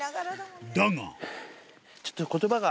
だが。